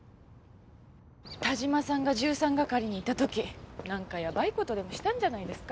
但馬さんが１３係にいた時なんかやばい事でもしたんじゃないですか？